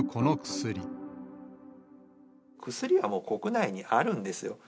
薬はもう、国内にあるんですよ。